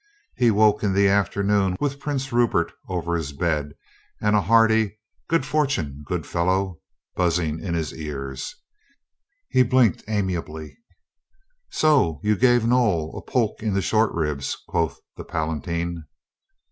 He woke in the afternoon with Prince Rupert over his bed and a hearty, "Good fortune, good fellow !" buzzing in his ears. He blinked ami ably. "So you gave Noll a poke in the short ribs?" quoth the Palatine.